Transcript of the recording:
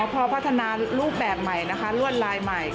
พอพัฒนารูปแบบใหม่นะคะลวดลายใหม่